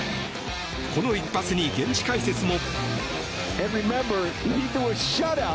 この一発に現地解説も。